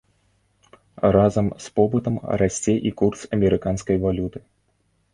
Разам з попытам расце і курс амерыканскай валюты.